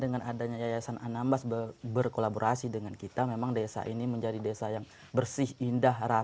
dengan adanya yayasan anambas berkolaborasi dengan kita memang desa ini menjadi desa yang bersih indah rapi bebas dari sampah